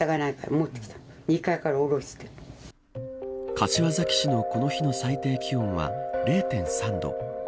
柏崎市の、この日の最低気温は０．３度。